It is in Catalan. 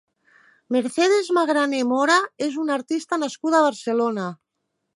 Mercedes Mangrané Mora és una artista nascuda a Barcelona.